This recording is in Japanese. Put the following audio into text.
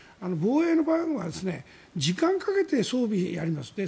防衛の場合は時間をかけて装備をやります。